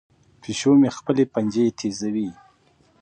پیشو مې خپلې پنجې تیزوي.